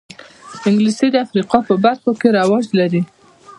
انګلیسي د افریقا په برخو کې رواج لري